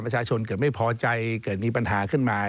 ประชาชนเกิดไม่พอใจเกิดมีปัญหาขึ้นมา